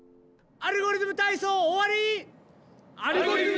「アルゴリズムたいそう」おわり！